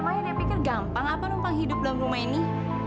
lumayan ya pikir gampang apa numpang hidup dalam rumah ini